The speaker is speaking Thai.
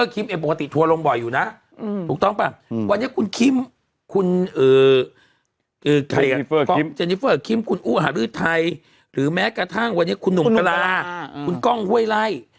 ๒๐๒๕คุณอุธิภาคหรือไทยหรือแม้กระทั่งวันนี้คุณอุธิภาคคุณก้องเวลัย